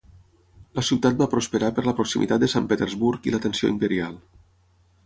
La ciutat va prosperar per la proximitat de Sant Petersburg i l'atenció imperial.